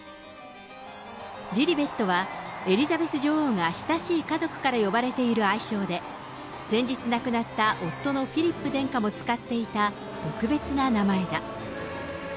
リリベットは、エリザベス女王が親しい家族から呼ばれている愛称で、先日亡くなった夫のフィリップ殿下も使っていた特別な名前だ。